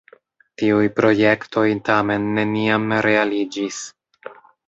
Tiuj projektoj tamen neniam realiĝis.